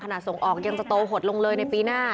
ส่งออกยังจะโตหดลงเลยในปีหน้า